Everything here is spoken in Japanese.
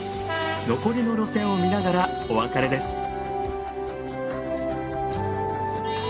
残りの路線を見ながらお別れです。